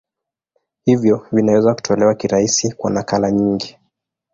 Hivyo vinaweza kutolewa kirahisi kwa nakala nyingi.